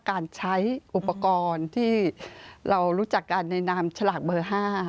การใช้อุปกรณ์ที่เรารู้จักกันในนามฉลากเบอร์๕